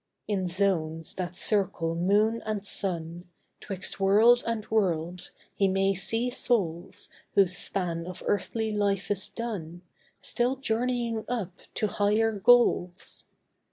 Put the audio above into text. In zones that circle moon and sun, 'Twixt world and world, he may see souls Whose span of earthly life is done, Still journeying up to higher goals.